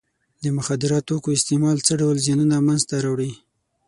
د مخدره توکو استعمال څه ډول زیانونه منځ ته راوړي.